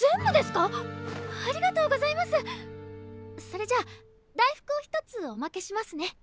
それじゃあ大福を１つおまけしますね。